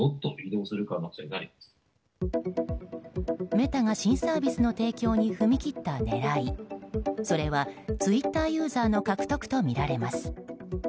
メタが新サービスの提供に踏み切った狙いそれは、ツイッターユーザーの獲得とみられます。